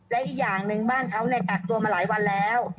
และอีกอย่างหนึ่งบ้านเขากักตัวมาหลายวันแล้ว